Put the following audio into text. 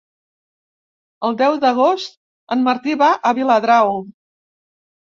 El deu d'agost en Martí va a Viladrau.